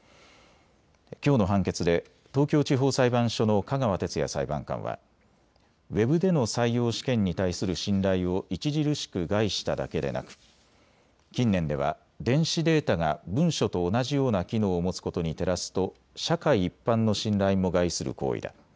きょうの判決で東京地方裁判所の香川徹也裁判官はウェブでの採用試験に対する信頼を著しく害しただけでなく近年では電子データが文書と同じような機能を持つことに照らすと社会一般の信頼も害する行為だ。